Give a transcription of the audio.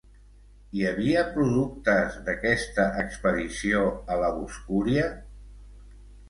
Hi havia productes d'aquesta expedició a la boscúria?